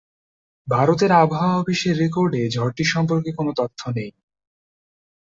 ভারতের আবহাওয়া অফিসের রেকর্ডে ঝড়টি সম্পর্কে কোন তথ্য নেই।